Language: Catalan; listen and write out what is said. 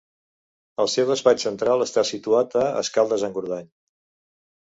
El seu despatx central està situat a Escaldes-Engordany.